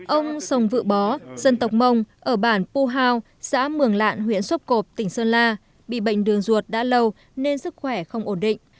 ông sông vự bó dân tộc mông ở bản pu hao xã mường lạn huyện sốp cộp tỉnh sơn la bị bệnh đường ruột đã lâu nên sức khỏe không ổn định